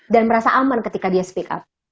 merasa aman ketika dia speak up